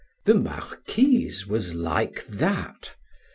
The Marquise was like that.